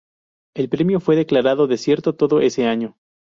El premio fue declarado desierto todo ese año.